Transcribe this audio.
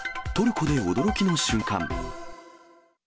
トルコで驚きの瞬間。